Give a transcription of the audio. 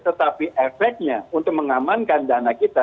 tetapi efeknya untuk mengamankan dana kita